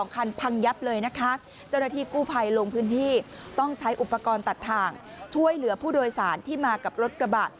คือผู้โดยสารที่มากับรถกระบะ